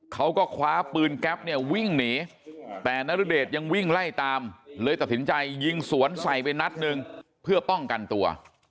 เขาก็คว้าปืนแก๊ปเนี่ยวิ่งหนีแต่นรเดชยังวิ่งไล่ตามเลยตัดสินใจยิงสวนใส่ไปนัดหนึ่งเพื่อป้องกันตัว